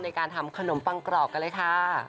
ในการทำขนมปังกรอกกันเลยค่ะ